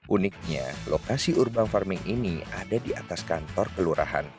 uniknya lokasi urban farming ini ada di atas kantor kelurahan